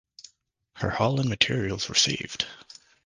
Her hull and materials were saved.